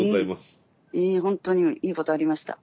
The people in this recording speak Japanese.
うん本当にいいことありました。